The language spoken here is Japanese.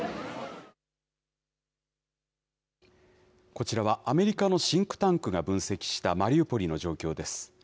こちらはアメリカのシンクタンクが分析した、マリウポリの状況です。